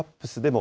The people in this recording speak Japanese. も